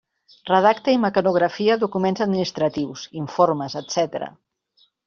Redacta i mecanografia documents administratius, informes, etcètera.